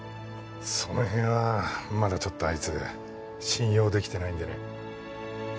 その辺はまだちょっとあいつ信用できてないんでね